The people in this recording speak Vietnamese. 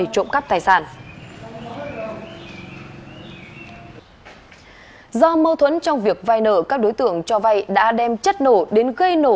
trong mâu thuẫn trong việc vai nợ các đối tượng cho vai đã đem chất nổ đến gây nổ